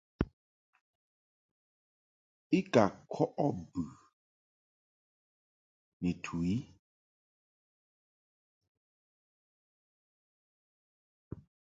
I ka kɔʼɨ bɨ ni tu i.